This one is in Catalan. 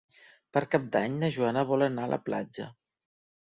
Per Cap d'Any na Joana vol anar a la platja.